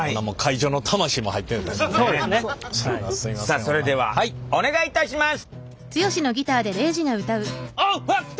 さあそれではお願いいたします！